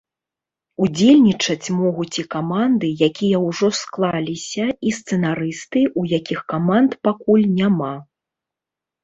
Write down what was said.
Удзельнічаць могуць і каманды, якія ўжо склаліся, і сцэнарысты, у якіх каманд пакуль няма.